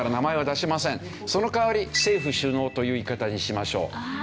その代わり政府首脳という言い方にしましょう。